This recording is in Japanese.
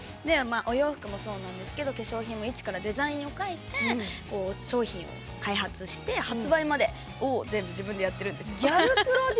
お洋服もそうなんですけど化粧品も一からデザインを描いて、発売まで全部自分でやってるんです。